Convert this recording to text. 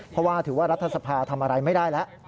เพราะว่าถือว่ารัฐสภาทำอะไรไม่ได้แล้ว